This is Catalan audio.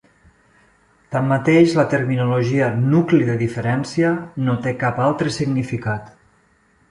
Tanmateix, la terminologia "nucli de diferència" no té cap altre significat.